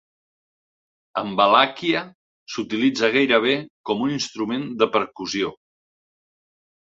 En Valàquia s'utilitza gairebé com un instrument de percussió.